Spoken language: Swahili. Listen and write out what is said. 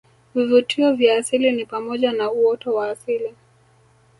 Vivutio vya asili ni pamoja na uoto wa asili